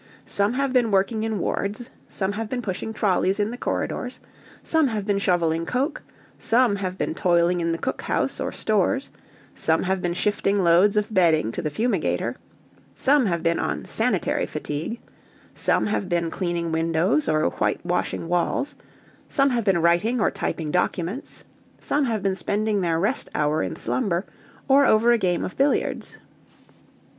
Some have been working in wards, some have been pushing trollies in the corridors, some have been shovelling coke, some have been toiling in the cookhouse or stores, some have been shifting loads of bedding to the fumigator, some have been on "sanitary fatigue," some have been cleaning windows or whitewashing walls, some have been writing or typing documents, some have been spending their rest hour in slumber or over a game of billiards.